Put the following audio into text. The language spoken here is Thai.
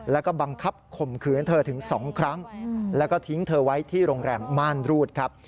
แล้วก็บังคับข่มขืนเธอถึง๒ครั้งแล้วก็ทิ้งเธอไว้ที่โรงแรมม่านรูดครับ